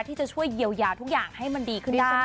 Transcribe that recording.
ที่จะช่วยเยียวยาทุกอย่างให้มันดีขึ้นได้